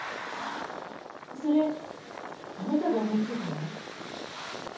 それあなたが思いついたの？